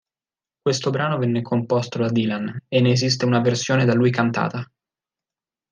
Questo brano venne composto da Dylan, e ne esiste una versione da lui cantata.